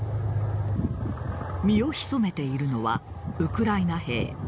身を潜めているのはウクライナ兵。